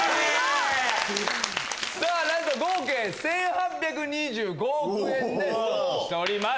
なんと合計１８２５億円でストップしております。